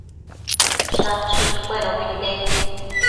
Shachëshëdcuenobi nidequi